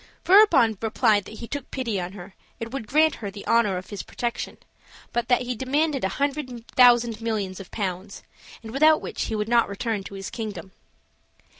Furibon replied that he took pity on her, and would grant her the honor of his protection; but that he demanded a hundred thousand millions of pounds, and without which he would not return to his kingdom.